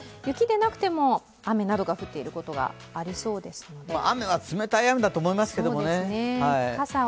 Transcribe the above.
雪でなくても、雨などが降っていることがありそうですので。